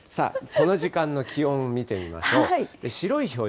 さあ、この時間の気温を見てみましょう。